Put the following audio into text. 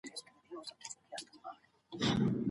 لاندي ځيني توصيې خاوند ته متوجه دي.